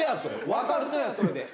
分かるとやそれで」